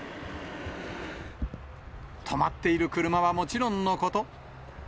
止まっている車はもちろんのこと。